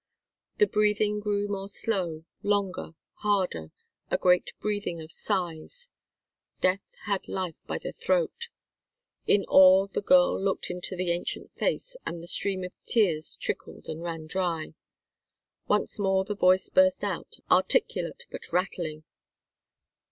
The breathing grew more slow, longer, harder, a great breathing of sighs. Death had life by the throat. In awe, the girl looked into the ancient face, and the stream of tears trickled and ran dry. Once more the voice burst out, articulate but rattling.